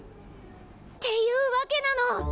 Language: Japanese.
っていうわけなの！